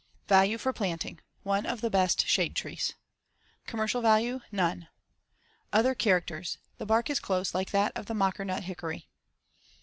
Value for planting: One of the best shade trees. Commercial value: None. Other characters: The bark is close like that of the mockernut hickory.